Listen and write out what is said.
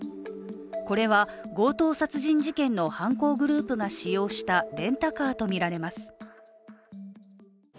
これは強盗殺人事件の犯行グループが使用したレンタカーとみられます。